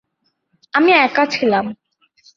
আমি একা ছিলাম।